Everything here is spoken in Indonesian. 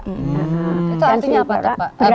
itu artinya apa pak